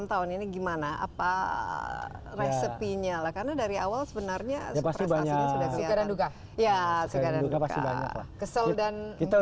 apa rasanya ini gimana rasanya apa rasanya ini gimana dari awal sebenarnya pasti banyak ya kesel dan